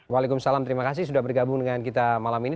waalaikumsalam terima kasih sudah bergabung dengan kita malam ini